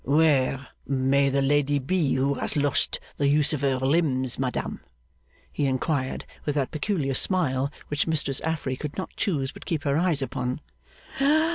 'Where may the lady be who has lost the use of her limbs, madam?' he inquired, with that peculiar smile which Mistress Affery could not choose but keep her eyes upon.